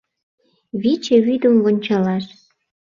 Виче вӱдым вончалаш